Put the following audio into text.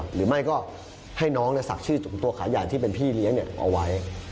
หรือไม่ก็ให้น้องศักดิ์ชื่อตัวขาใหญ่ที่เป็นพี่เลี้ยงเอาไว้